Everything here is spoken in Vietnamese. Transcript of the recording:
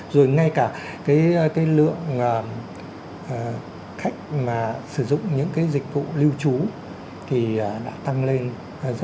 rồi ngay cả cái lượng khách mà sử dụng những cái dịch vụ lưu trú thì đã tăng lên rất là nhiều